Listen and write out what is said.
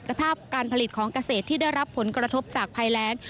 ภาพการผลิตของเกษตรที่ได้รับผลกระทบจากภัยแรง